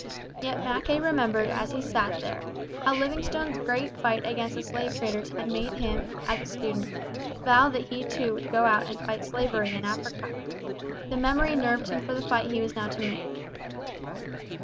Yet Mackay remembered as he sat there, how Livingstone's great fight against the slave traders had made him, as a student, vow that he too would go out and fight slavery in Africa. The memory nerved him for the fight he was now to make.